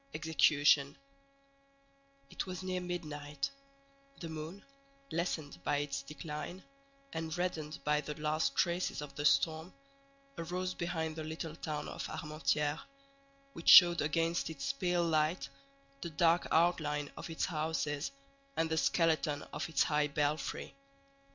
EXECUTION It was near midnight; the moon, lessened by its decline, and reddened by the last traces of the storm, arose behind the little town of Armentières, which showed against its pale light the dark outline of its houses, and the skeleton of its high belfry.